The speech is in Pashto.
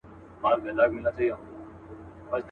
چي په تش ګومان مي خلک کړولي.